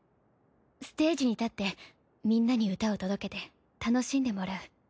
ステージに立ってみんなに歌を届けて楽しんでもらう。